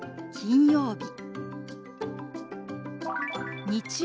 金曜日。